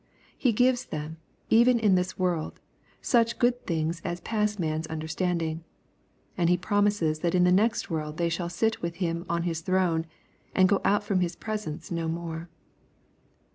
He gives them, even in this world, such good things as pass man's understanding. And He promises that in the next world they shall sit with Him on His throne, and go out from His presence no more.